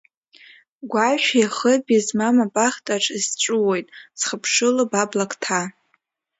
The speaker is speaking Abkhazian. Гәашәи хыби змам абахҭаҿ, исҵәыуоит схыԥшыло ба блакҭа.